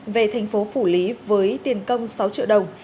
về thành phố phủ lý với tiền công sáu triệu đồng